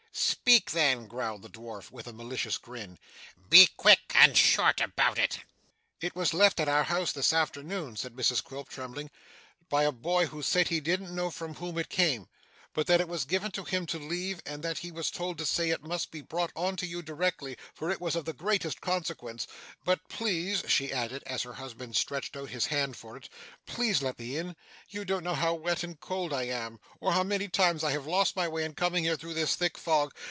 'Speak then,' growled the dwarf with a malicious grin. 'Be quick and short about it. Speak, will you?' 'It was left at our house this afternoon,' said Mrs Quilp, trembling, 'by a boy who said he didn't know from whom it came, but that it was given to him to leave, and that he was told to say it must be brought on to you directly, for it was of the very greatest consequence. But please,' she added, as her husband stretched out his hand for it, 'please let me in. You don't know how wet and cold I am, or how many times I have lost my way in coming here through this thick fog.